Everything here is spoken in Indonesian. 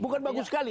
bukan bagus sekali